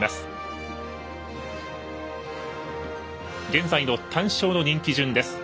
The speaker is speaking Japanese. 現在の単勝の人気順です。